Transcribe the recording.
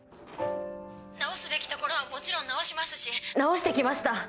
直すべきところはもちろん直しますし直してきました。